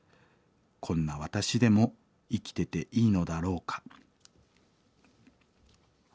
こんな私でも生きてていいのだろうか」。